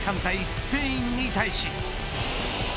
スペインに対し。